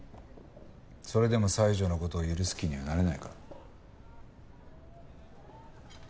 それでも西条の事を許す気にはなれないか？